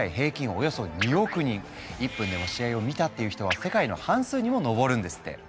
およそ２億人１分でも試合を見たっていう人は世界の半数にも上るんですって。